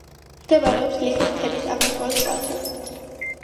მდებარეობს ლიხის ქედის აღმოსავლეთ კალთაზე.